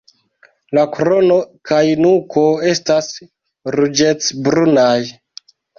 La krono kaj nuko estas ruĝecbrunaj.